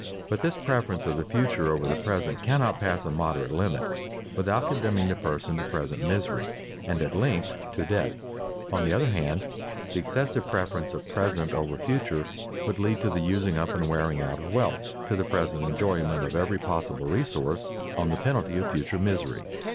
But this preference of the future over the present cannot pass a moderate limit without condemning the person to present misery, and at length to death. On the other hand the excessive preference of present over future would lead to the using up and wearing out of wealth, to the present enjoyment of every possible resource, on the penalty of future misery.